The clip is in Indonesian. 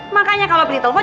makanya kalau pilih telepon